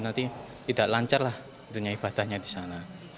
nanti tidak lancar lah dunia ibadahnya di sana